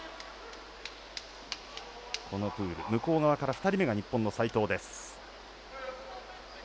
このプール、向こう側から２人目が日本の齋藤です。